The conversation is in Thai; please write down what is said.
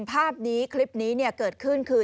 ภาพนี้คลิปนี้เกิดขึ้นคือ